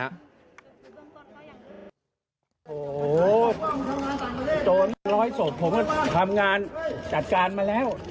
โหโจรร้อยศพผมทำงานจัดการมาแล้ว